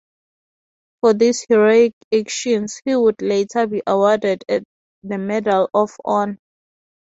For these heroic actions, he would later be awarded the Medal of Honor.